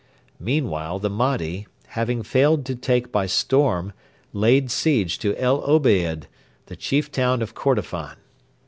Meanwhile the Mahdi, having failed to take by storm, laid siege to El Obeid, the chief town of Kordofan.